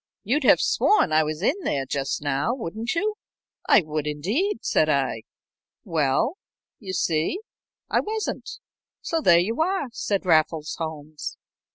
You'd have sworn I was in there just now, wouldn't you?" "I would indeed," said I. "Well you see, I wasn't, so there you are," said Raffles Holmes.